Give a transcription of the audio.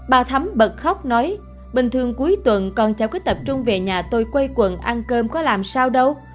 bà thấm bật khóc nói bình thường cuối tuần con cháu cứ tập trung về nhà tôi quay quần ăn cơm có làm sao đâu